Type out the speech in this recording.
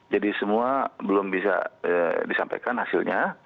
jadi semua belum bisa disampaikan hasilnya